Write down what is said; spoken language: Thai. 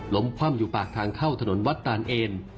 คว่ำอยู่ปากทางเข้าถนนวัดตานเอน